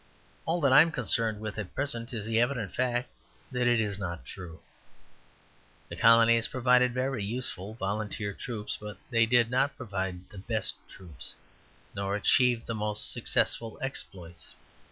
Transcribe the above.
All that I am concerned with at present is the evident fact that it is not true. The colonies provided very useful volunteer troops, but they did not provide the best troops, nor achieve the most successful exploits.